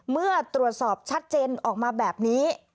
เมื่อตรวจสอบชัดเจนออกมาแบบนี้